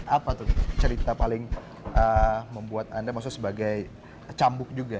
apa tuh cerita paling membuat anda maksudnya sebagai cambuk juga